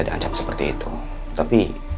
ngancam seperti itu tapi